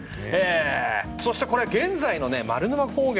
そして、これ現在の丸沼高原。